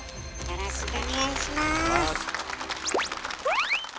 よろしくお願いします。